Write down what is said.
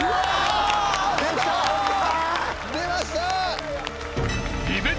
出ました！